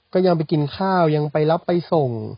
ก็ยังไปกินข้าวยังไปรับไปส่ง